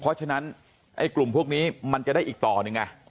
เพราะฉะนั้นไอ้กลุ่มพวกนี้มันจะได้อีกต่อหนึ่งไง